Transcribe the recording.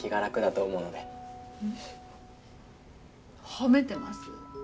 褒めてます？